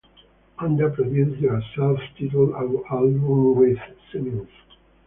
Honda produced their self-titled album with Simins.